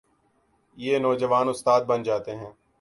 یہ نوجوان استاد بن جاتے ہیں۔